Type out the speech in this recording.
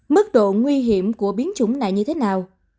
mức độ nguy hiểm của biến chủng này như thế nào